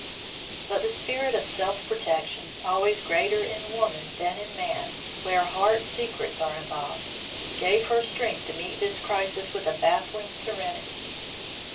But the spirit of self protection, always greater in woman than in man where heart secrets are involved, gave her strength to meet this crisis with a baffling serenity.